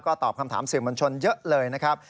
ตอบคำถามสื่อมวลชนเยอะเลยนะครับ